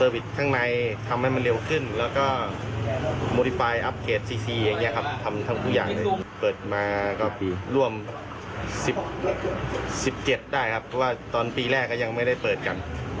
วัน๑๗ได้ครับเพราะว่าตอนปีแรกยังไม่ได้เปิดกัน